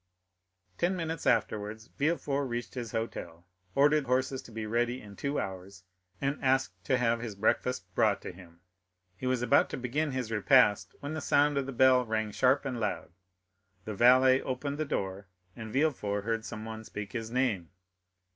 Ten minutes afterwards Villefort reached his hotel, ordered horses to be ready in two hours, and asked to have his breakfast brought to him. He was about to begin his repast when the sound of the bell rang sharp and loud. The valet opened the door, and Villefort heard someone speak his name.